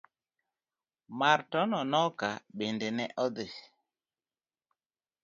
mar Tononoka bende ne odhi.